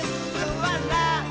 わかった。